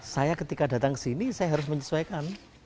saya ketika datang ke sini saya harus menyesuaikan